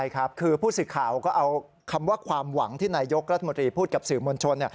ใช่ครับคือผู้สื่อข่าวก็เอาคำว่าความหวังที่นายกรัฐมนตรีพูดกับสื่อมวลชน